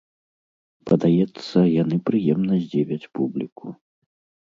Падаецца, яны прыемна здзівяць публіку!